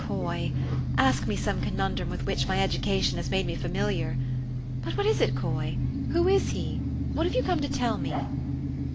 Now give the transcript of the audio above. i ' O Coy ! Ask me some conundrum with which my education has. made me familiar. But what is it, Coy ? Who is he ? What have you come to tell me?"